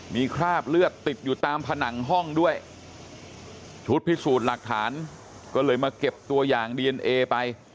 มีคราบเลือดติดอยู่ตามผนังห้องด้วยชุดพิสูจน์หลักฐานก็เลยมาเก็บตัวอย่างดีเอนเอไป